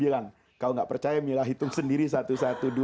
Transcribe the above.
kalau tidak percaya mila hitung sendiri satu satu